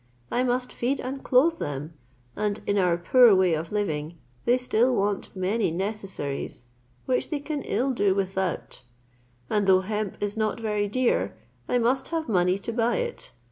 I must feed and clothe them, and in our poor way of living, they still want many necessaries, which they can ill do without And though hemp is not very dear, I must have money to buy it.